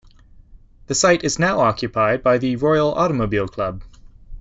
The site is now occupied by the Royal Automobile Club.